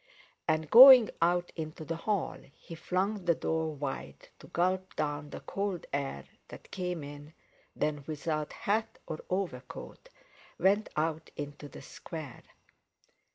And going out into the hall he flung the door wide, to gulp down the cold air that came in; then without hat or overcoat went out into the Square.